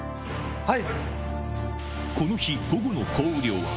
はい！